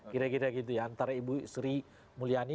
kira kira gitu ya antara ibu sri mulyani